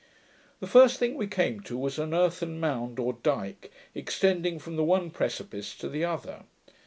The first thing we came to was an earthen mound, or dyke, extending from the one precipice to the other.